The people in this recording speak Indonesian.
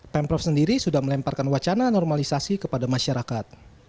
pemprov sendiri sudah melemparkan wacana normalisasi kepada masyarakat